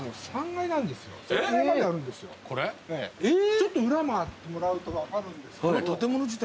ちょっと裏回ってもらうと分かるんですけど。